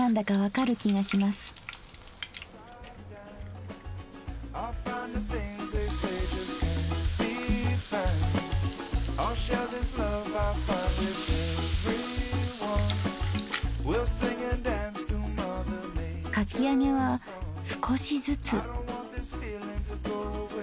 かき揚げは少しずつ。